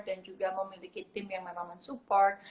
dan juga memiliki tim yang memang support